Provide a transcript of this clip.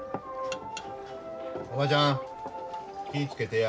おばちゃん気ぃ付けてや。